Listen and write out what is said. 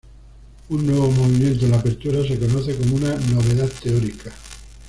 Un nuevo movimiento en la apertura se conoce como una ""novedad teórica"".